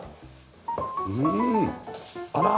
うんあら。